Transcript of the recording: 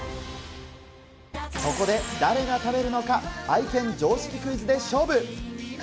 そこで誰が食べるのか、愛犬常識クイズで勝負。